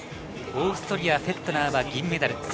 オーストリア、フェットナーは銀メダル。